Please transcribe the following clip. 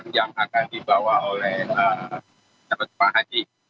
yang akan dibawa oleh jum ah haji